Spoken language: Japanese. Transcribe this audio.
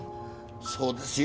そうですよ。